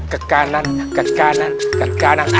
ke kanan ke kanan ke kanan